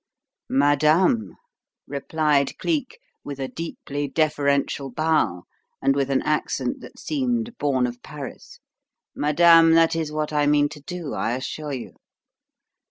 "Madame," replied Cleek, with a deeply deferential bow and with an accent that seemed born of Paris, "madame, that is what I mean to do, I assure you."